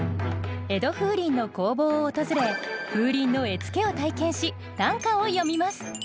江戸風鈴の工房を訪れ風鈴の絵付けを体験し短歌を詠みます